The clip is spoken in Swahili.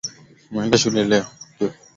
Umeenda shule leo?